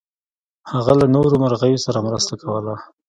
هغه له نورو مرغیو سره مرسته کوله.